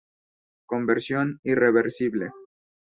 Conversión irreversible.